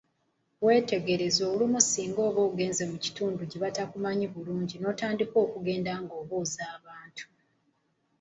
Weetegereze olumu singa oba ogenze mu kitundu gye batakumanyi bulungi n’otandika okugenda ng’obuuza abantu.